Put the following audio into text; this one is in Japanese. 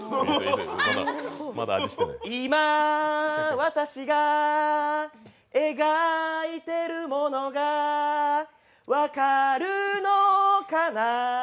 今、私が描いてるものが分かるのかな。